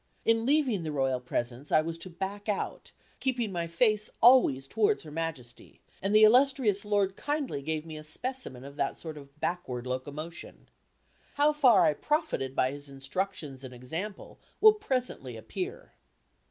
In leaving the royal presence I was to "back out," keeping my face always towards Her Majesty, and the illustrious lord kindly gave me a specimen of that sort of backward locomotion. How far I profited by his instructions and example, will presently appear.